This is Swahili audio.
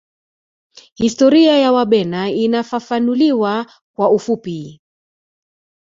Historia ya Wabena inafafanuliwa kwa ufupi